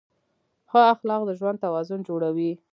ښه اخلاق د ژوند توازن جوړوي.